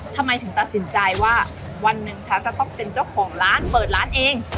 ทำไมถึงตัดสินใจว่าวันหนึ่งฉันจะต้องเป็นเจ้าของร้านเปิดร้านเอง